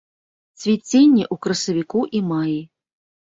Цвіценне ў красавіку і маі.